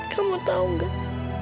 kamu tahu nggak